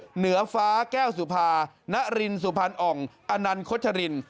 เหนือฟ้าแก้วสุภาณรินสุภัณฐ์องค์อนันท์โคชริน